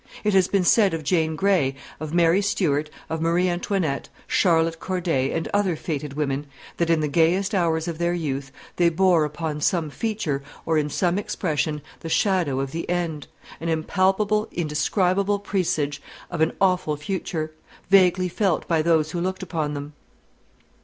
It has been said of Jane Grey, of Mary Stuart, of Marie Antoinette, Charlotte Corday, and other fated women, that in the gayest hours of their youth they bore upon some feature, or in some expression, the shadow of the End an impalpable, indescribable presage of an awful future, vaguely felt by those who looked upon them.